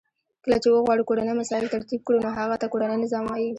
کله چی وغواړو کورنی مسایل ترتیب کړو نو هغه ته کورنی نظام وای .